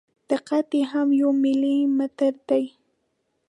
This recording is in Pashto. دقت یې هم یو ملي متر دی.